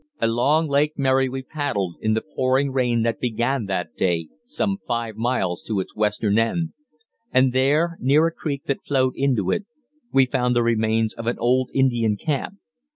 Along Lake Mary we paddled, in the pouring rain that began that day, some five miles to its western end; and there, near a creek that flowed into it, we found the remains of an old Indian camp.